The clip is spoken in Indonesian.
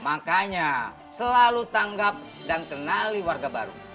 makanya selalu tanggap dan kenali warga baru